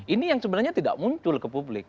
ini yang sebenarnya tidak muncul ke publik